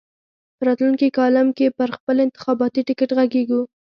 په راتلونکي کالم کې پر بل انتخاباتي ټکټ غږېږو.